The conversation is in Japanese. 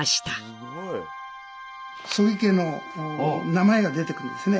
すごい！曽木家の名前が出てくるんですね。